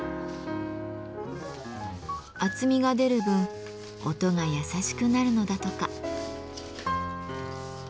厚みが出る分音が優しくなるのだとか。